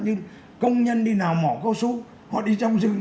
nhưng công nhân đi nào mỏ cao su họ đi trong rừng